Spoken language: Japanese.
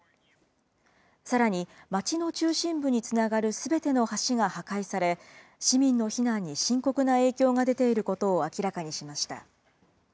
さらに街の中心部につながるすべての橋が破壊され、市民の避難に深刻な影響が出ていることを明らかにしました。